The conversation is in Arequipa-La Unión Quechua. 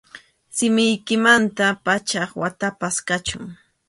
Simiykimantaqa pachak watapas kachun.